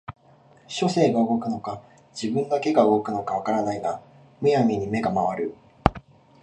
書生が動くのか自分だけが動くのか分からないが無闇に眼が廻る